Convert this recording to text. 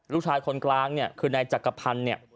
ลูกชายคนกลางคือในจักรพรรณ